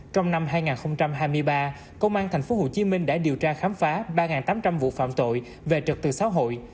trong năm hai nghìn hai mươi ba công an tp hcm đã điều tra khám phá ba tám trăm linh vụ phạm tội về trật tự xã hội